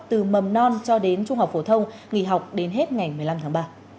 từ mầm non cho đến trung học phổ thông nghỉ học đến hết ngày một mươi năm tháng ba